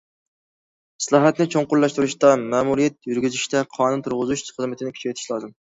ئىسلاھاتنى چوڭقۇرلاشتۇرۇشتا، مەمۇرىيەت يۈرگۈزۈشتە قانۇن تۇرغۇزۇش خىزمىتىنى كۈچەيتىش لازىم.